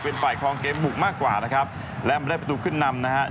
เป็นฝ่ายคลองเกมบุกมากกว่านะครับและมาได้ประตูขึ้นนำนะครับ